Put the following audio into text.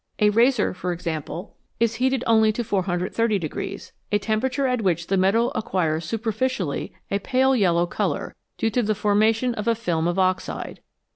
A razor, for example, is heated only to 430, a temperature at which the metal acquires superficially a pale yellow colour, due to the forma tion of a film of oxide.